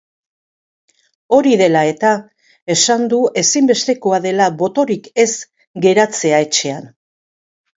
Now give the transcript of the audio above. Hori dela eta, esan du ezinbestekoa dela botorik ez geratzea etxean.